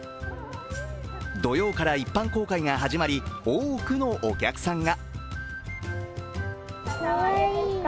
土曜から一般公開が始まり、多くのお客さんが。